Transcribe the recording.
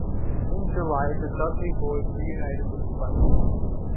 In July, the Dudley Boyz reunited with Spike.